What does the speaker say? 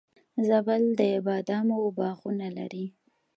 زابل د بادامو باغونه لري